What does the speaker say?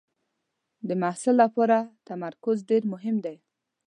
د محصل لپاره تمرکز ډېر مهم دی.